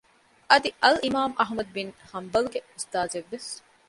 އަދި އަލްއިމާމު އަޙްމަދު ބިން ޙަންބަލުގެ އުސްތާޒެއްވެސް